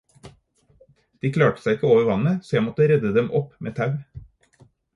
De klarte seg ikke over vannet, så jeg måtte redde dem opp med tau.